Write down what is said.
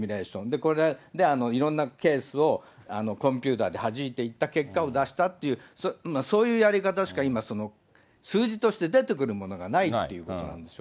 これでいろんなケースをコンピューターではじいていった結果を出したっていう、そういうやり方しか今、数字として出てくるものがないということなんですよ。